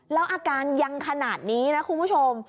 แล้วอาการยังขนาดนี้นะคุณผู้ชม